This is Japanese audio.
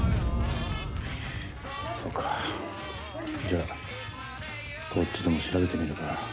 じゃこっちでも調べてみるか。